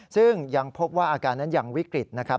ซึ่งยังพบว่าอาการนั้นยังวิกฤตนะครับ